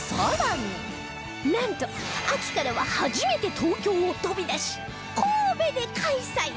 なんと秋からは初めて東京を飛び出し神戸で開催